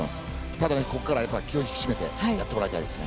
ただ、ここから気を引き締めてやってもらいたいですね。